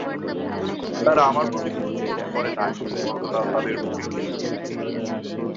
তারা আমার প্রতি কোন জুলুম করে নাই বরং তারা তাদের প্রতিই জুলুম করেছিল।